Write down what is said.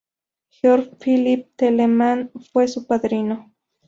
Georg Philipp Telemann fue su padrino.